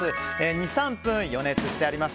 ２３分予熱してあります。